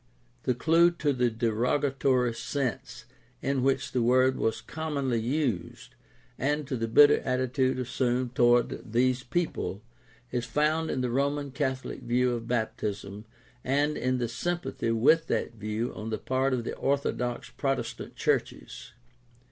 The clue to the derogatory sense in which the word was commonly used and to the bitter attitude assumed toward these people is found in the Roman Catholic view of baptism and in the sympathy with that view on the part of the orthodox Protestant churches.